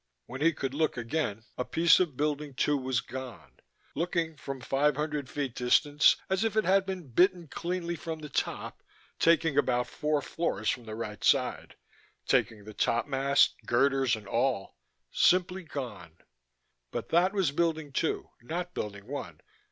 When he could look again a piece of Building Two was gone looking, from five hundred feet distance, as if it had been bitten cleanly from the top, taking about four floors from the right side, taking the topmast, girders, and all ... simply gone. But that was Building Two, not Building One.